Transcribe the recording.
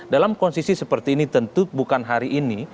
dalam kondisi seperti ini tentu bukan hari ini